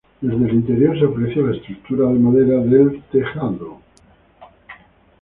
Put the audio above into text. Desde el interior se aprecia la estructura de madera del tejado.